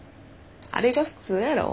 あれが普通やろ。